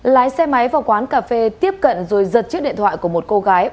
lái xe máy vào quán cà phê tiếp cận rồi giật chiếc điện thoại của một cô gái